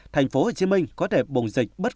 tp hcm có thể bùng dịch bất cứ gì